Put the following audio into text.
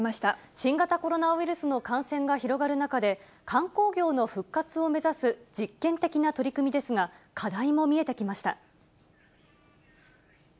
新型コロナウイルスの感染が広がる中で、観光業の復活を目指す実験的な取り組みですが、課題も見えてきました。